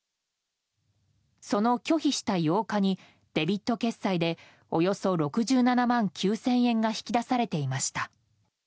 その拒否した８日にデビット決済でおよそ６７万９０００円が引き出されていました。